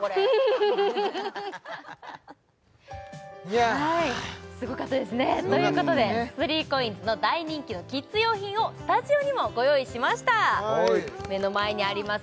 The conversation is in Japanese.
いやすごかったですねすごかったですねということで３ＣＯＩＮＳの大人気のキッズ用品をスタジオにもご用意しました目の前にあります